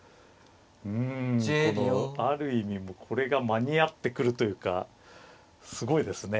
うんこのある意味もうこれが間に合ってくるというかすごいですね。